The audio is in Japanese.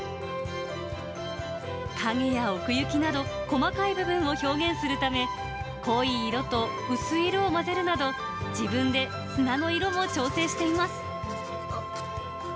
影や奥行きなど、細かい部分を表現するため、濃い色と薄い色を混ぜるなど、自分で砂の色も調整しています。